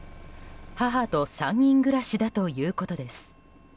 母と３人暮らしだということです。